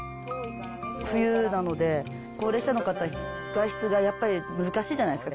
冬なので、高齢者の方は外出がやっぱり難しいじゃないですか。